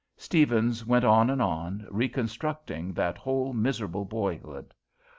Steavens went on and on, reconstructing that whole miserable boyhood.